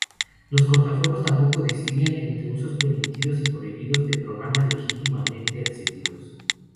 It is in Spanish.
Los cortafuegos tampoco distinguen entre usos permitidos y prohibidos de programas legítimamente accedidos.